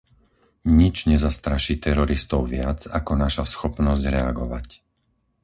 Nič nezastraší teroristov viac ako naša schopnosť reagovať.